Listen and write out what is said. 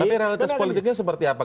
tapi realitas politiknya seperti apa